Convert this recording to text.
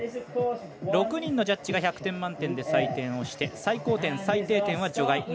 ６人のジャッジが１００点満点で採点して最高点、最低点は除外。